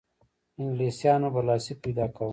انګلیسیانو برلاسی پیدا کاوه.